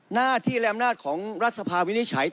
หน้าที่และอำนาจของรัฐสภาวินิจฉัย